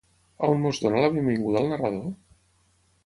On ens dona la benvinguda el narrador?